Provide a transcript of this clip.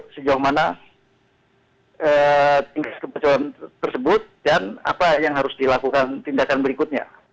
sejauh mana tingkat kebocoran tersebut dan apa yang harus dilakukan tindakan berikutnya